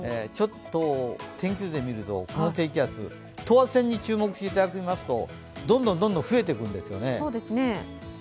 天気図で見ると、この低気圧、等圧線に注目してもらいますとどんどん増えていくんですよね。